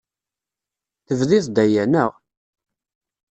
Tebdiḍ-d aya, naɣ?